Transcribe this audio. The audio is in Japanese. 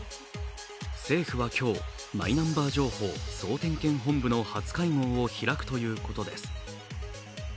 政府は今日、マイナンバー情報総点検本部の初会合を開くということです。